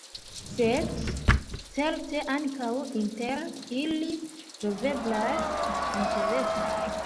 Sed, certe, ankaŭ inter ili troveblas interesaj.